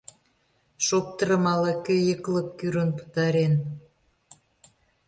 — Шоптырым ала-кӧ йыклык кӱрын пытарен...